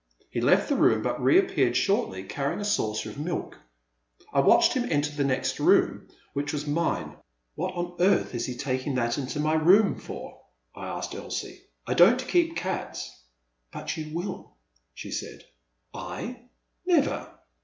*' He left the room but reappeared shortly, carrying a saucer of milk. I watched him enter the next room which was mine. "What on earth is he taking that into my room for ?I askedElsie. " I don't keepcats." " But you will, she said. "I? never!